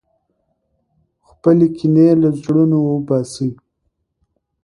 خپلې کینې له زړونو وباسئ.